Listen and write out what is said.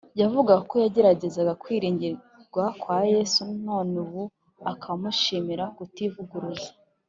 Yavugaga ko yageragezaga kwiringirwa kwa Yesu, none ubu akaba amushimira kutivuguruza.